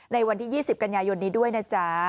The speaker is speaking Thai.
ในวันที่๒๐กันยายนนี้ด้วยนะจ๊ะ